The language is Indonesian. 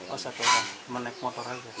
oh satu orang menaik motor aja